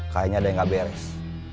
kayaknya ada yang gak beres